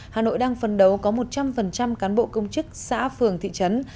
hà nội đang phân đấu có một trăm linh cán bộ công chức xã phường thị trấn